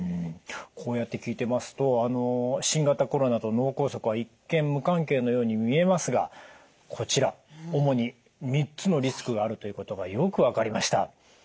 こうやって聞いてますとあの新型コロナと脳梗塞は一見無関係のように見えますがこちら主に三つのリスクがあるということがよく分かりました。